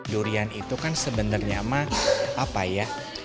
durian itu kan sebenarnya mah apa ya